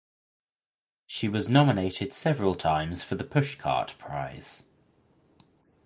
She was nominated several times for the Pushcart prize.